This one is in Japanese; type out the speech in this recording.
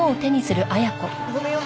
ごめんよ。